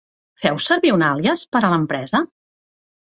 Feu servir un àlies per a l'empresa?